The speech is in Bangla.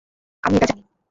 আমি এটা জানি।